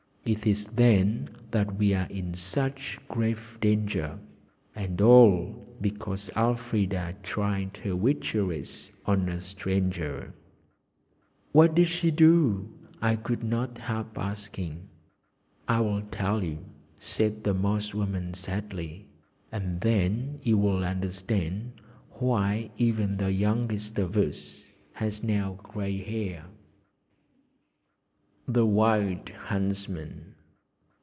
It is then that we are in such grave danger and all because Elfrida tried her witcheries on a stranger." "What did she do?" I could not help asking. "I will tell you," said the Moss woman sadly, "and then you will understand why even the youngest of us has now grey hair." The Wild Huntsman.